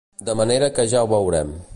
De manera que ja ho veurem.